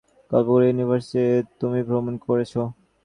কতগুলো ইউনিভার্সে তুমি ভ্রমণ করেছো?